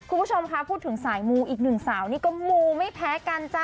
คุณผู้ชมคะพูดถึงสายมูอีกหนึ่งสาวนี่ก็มูไม่แพ้กันจ้ะ